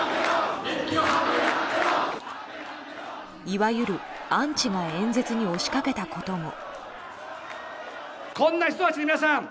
いわゆるアンチが演説に押しかけたことも。